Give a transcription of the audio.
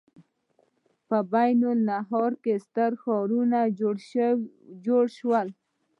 په بین النهرین کې ستر ښارونه جوړ شول.